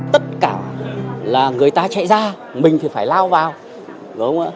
tất cả là người ta chạy ra mình thì phải lao vào